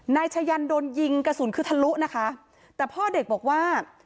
นายชะยันโดนยิงกระสุนคือทะลุนะคะแต่พ่อเด็กบอกว่า